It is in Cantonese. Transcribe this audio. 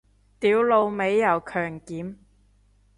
屌老味又強檢